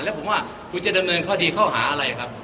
แล้วผมว่าคุณจะดำเนินคดีข้อหาอะไรครับ